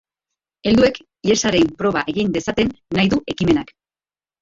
Helduek hiesaren proba egin dezaten nahi du ekimenak.